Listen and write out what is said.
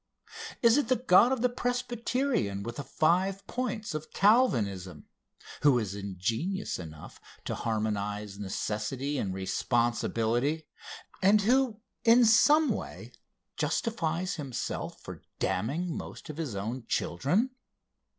Is it the God of the Presbyterian with the Five Points of Calvinism, who is ingenious enough to harmonize necessity and responsibility, and who in some way justifies himself for damning most of his own children?